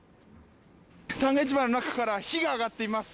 旦過市場の中から火が上がっています。